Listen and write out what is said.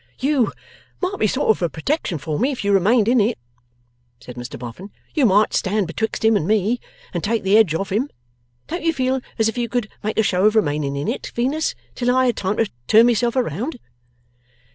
'You might be a sort of protection for me, if you remained in it,' said Mr Boffin; 'you might stand betwixt him and me, and take the edge off him. Don't you feel as if you could make a show of remaining in it, Venus, till I had time to turn myself round?